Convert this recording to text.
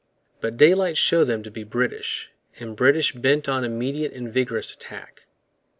But daylight showed them to be British, and British bent on immediate and vigorous attack.